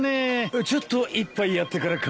ちょっと一杯やってから帰ろうか。